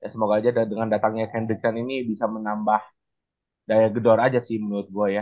semoga aja dengan datangnya candrican ini bisa menambah daya gedor aja sih menurut gue ya